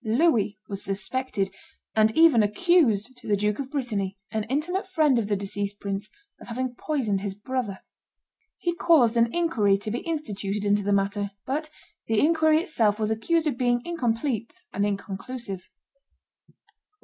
Louis was suspected, and even accused to the Duke of Brittany, an intimate friend of the deceased prince, of having poisoned his brother. He caused an inquiry to be instituted into the matter; but the inquiry itself was accused of being incomplete and inconclusive.